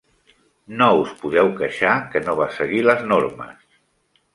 No us podeu queixar que no va seguir les normes.